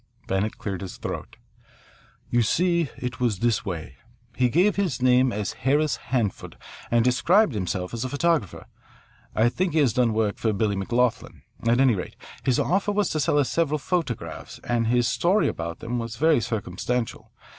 Bennett cleared his throat. "You see, it was this way. He gave his name as Harris Hanford and described himself as a photographer. I think he has done work for Billy McLoughlin. At any rate, his offer was to sell us several photographs, and his story about them was very circumstantial.